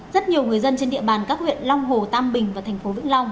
rất nhiều người dân trên địa bàn các huyện long hồ tam bình và thành phố vĩnh long